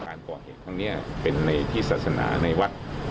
การก่อเหตุครั้งนี้เป็นในที่ศาสนาในวัด